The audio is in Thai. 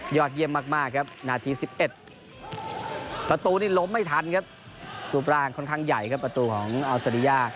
เยี่ยมมากครับนาที๑๑ประตูนี่ล้มไม่ทันครับรูปร่างค่อนข้างใหญ่ครับประตูของอัลซาริยา